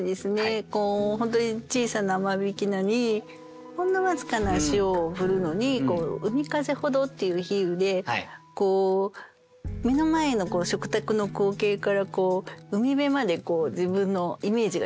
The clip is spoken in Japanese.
本当に小さな間引菜にほんの僅かな塩を振るのに「海風ほど」っていう比喩で目の前の食卓の光景から海辺まで自分のイメージが広がっていくような